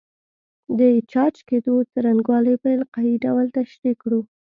د چارج کېدو څرنګوالی په القايي ډول تشریح کړو.